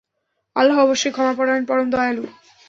আল্লাহ অবশ্যই ক্ষমাপরায়ণ, পরম দয়ালু।